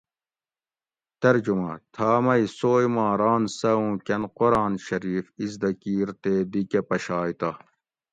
ترجمہ: تھا مئ سوئ ما ران سہۤ اُوں کۤن قران شریف اِزدہ کِیر تے دی کہ پشائ تہ